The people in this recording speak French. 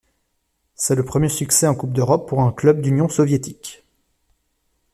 C'est le premier succès en Coupe d'Europe pour un club d'Union soviétique.